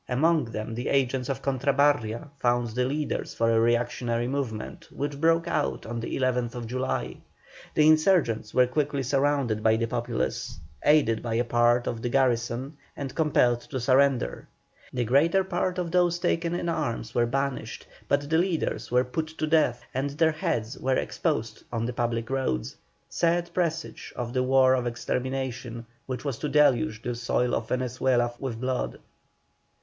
Among them the agents of Cortabarria found the leaders for a reactionary movement, which broke out on the 11th July. The insurgents were quickly surrounded by the populace, aided by a part of the garrison, and compelled to surrender. The greater part of those taken in arms were banished, but the leaders were put to death and their heads were exposed on the public roads; sad presage of the war of extermination which was to deluge the soil of Venezuela with blood.